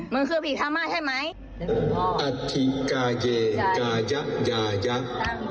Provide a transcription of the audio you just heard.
มึงคือผีธามาท์ใช่ไหม